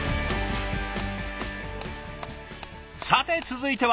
さて続いては？